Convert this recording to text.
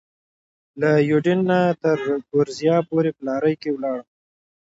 له یوډین نه تر ګورېزیا پورې په لارۍ کې ولاړم.